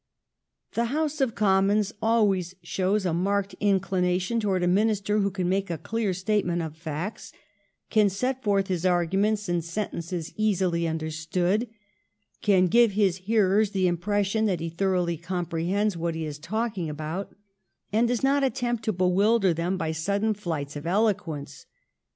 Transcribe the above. The House of Commons always shows a marked inclination towards a Minister who can make a clear statement of facts, can set forth his arguments in sentences easily understood, can give his hearers the impression that he thoroughly comprehends what he is talking about, and does not attempt to bewilder them by sudden flights of eloquence.